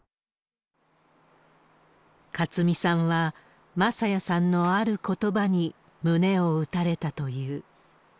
雅津美さんは、正哉さんのあることばに胸を打たれたという。